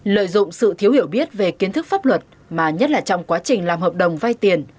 lợi dụng sự thiếu hiểu biết về kiến thức pháp luật mà nhất là trong quá trình làm hợp đồng vay tiền